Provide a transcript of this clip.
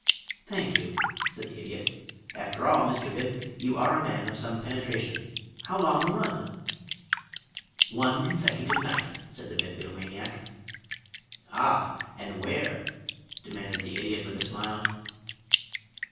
"Thank you," said the Idiot. "After all, Mr. Bib, you are a man of some penetration. How long a run?" "One consecutive night," said the Bibliomaniac. "Ah and where?" demanded the Idiot with a smile.